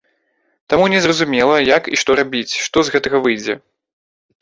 Таму незразумела, як і што рабіць, што з гэтага выйдзе.